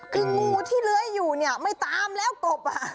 คืองูที่เลื้อยอยู่เนี่ยไม่ตามแล้วกบ